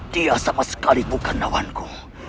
dia sama sekali bukan lawanku